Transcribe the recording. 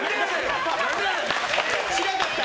違かった！